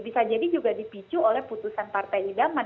bisa jadi juga dipicu oleh putusan partai idaman